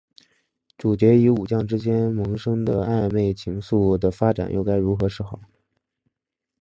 主角与武将之间萌生的暧昧情愫的发展又该如何是好？